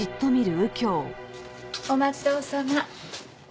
お待ちどおさま。